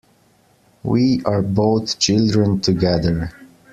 We are both children together.